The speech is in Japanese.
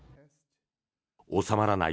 収まらない